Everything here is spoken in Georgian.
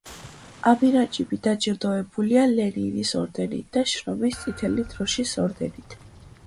ამირაჯიბი დაჯილდოებულია ლენინის ორდენით და შრომის წითელი დროშის ორდენით.